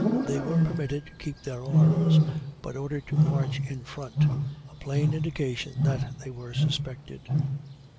They were permitted to keep their arms, but ordered to march in front, a plain indication that they were suspected.